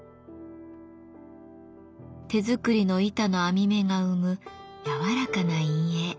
手作りの板の編み目が生む柔らかな陰影。